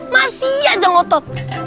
masih aja ngotot